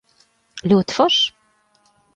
Ļoti forši.